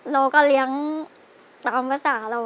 เราก็เลี้ยงตามภาษาเรา